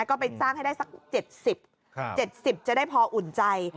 ก็ไปสร้างให้ได้สัก๗๐๗๐จะได้พออุ่นใจ